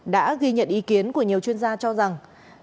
đã ghi nhận ý kiến của nhiều chuyên gia cho rằng